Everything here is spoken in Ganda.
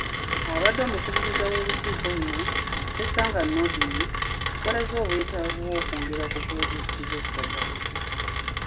Ayabadde omukubiriza w'olukiiko luno, Ssesanga Noordin, yalaze obwetaavu bw'okwongera ku pulojekiti z'essaza.